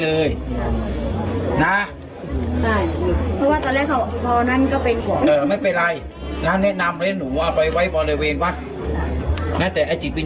เหมือนลูกเหมือนลูกแมวลูกแมวได้เข้าผู้ชาย